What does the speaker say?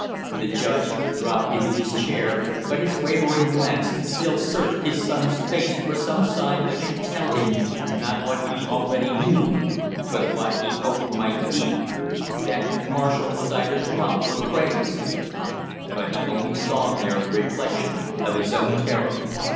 The judge dropped into his chair, but his wavering glance still searched his son's face for some sign that should tell him, not what he already knew but what he hoped might be, that Marshall was either drunk or crazed; but he only saw there the reflection of his own terror.